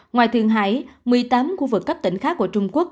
ngoài thượng hải một mươi tám khu vực cấp tỉnh khác của trung quốc